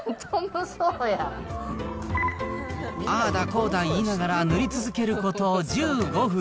こうだ言いながら、塗り続けること１５分。